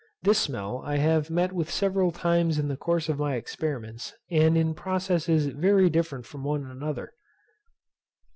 This smell I have met with several times in the course of my experiments, and in processes very different from one another.